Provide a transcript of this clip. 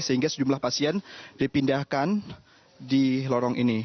sehingga sejumlah pasien dipindahkan di lorong ini